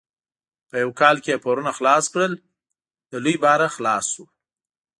په یو کال یې پورونه خلاص کړل؛ له لوی باره خلاص شو.